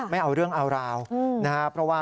ไม่เอาเรื่องเอาราวนะฮะ